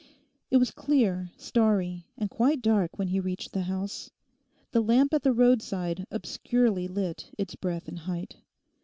It was clear, starry, and quite dark when he reached the house. The lamp at the roadside obscurely lit its breadth and height.